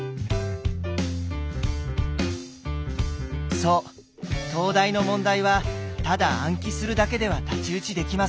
そう東大の問題はただ暗記するだけでは太刀打ちできません。